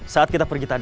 saat kita pergi tadi